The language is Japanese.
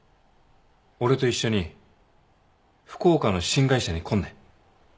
俺と一緒に福岡の新会社に来んね。